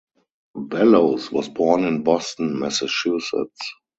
Bellows was born in Boston, Massachusetts.